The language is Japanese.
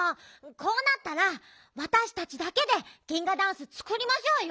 こうなったらわたしたちだけでギンガダンスつくりましょうよ！